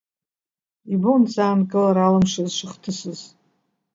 Ибон заанкылара алымшоз шыхҭысыз.